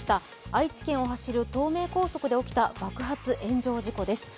愛知県を走る東名高速で起きた爆発・炎上事故です。